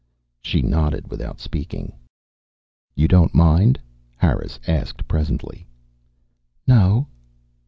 She nodded without speaking. "You don't mind?" Harris asked presently. "No."